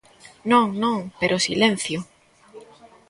Non, non, pero silencio.